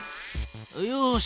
よし。